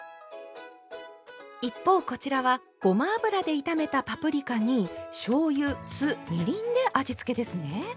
一方こちらはごま油で炒めたパプリカにしょうゆ酢みりんで味付けですね。